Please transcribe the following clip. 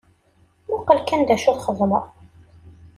Muqel kan d acu txeddmeḍ.